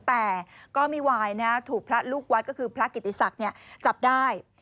แต่ก็ไม่วายนะถูกพระลูกวัดก็คือพระกิติศักดิ์จับได้